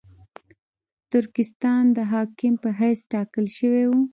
ترکستان د حاکم په حیث ټاکل شوی وو.